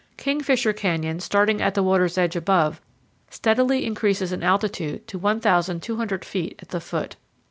Kingfisher Canyon, starting at the water's edge above, steadily increases in altitude to 1,200 feet at the foot.